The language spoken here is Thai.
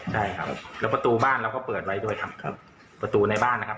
ใช่ครับแล้วประตูบ้านเราก็เปิดไว้ด้วยครับครับประตูในบ้านนะครับ